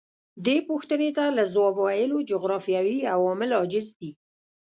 دې پوښتنې ته له ځواب ویلو جغرافیوي عوامل عاجز دي.